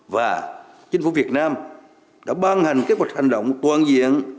và chính phủ việt nam đã ban hành kế hoạch hành động toàn diện